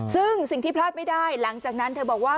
ซึ่งสิ่งที่พลาดไม่ได้หลังจากนั้นเธอบอกว่า